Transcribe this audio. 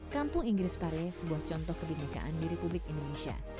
kampung inggris paris sebuah contoh kebindakaan di republik indonesia